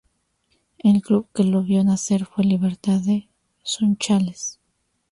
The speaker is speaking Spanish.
El club que lo vio nacer fue Libertad de Sunchales.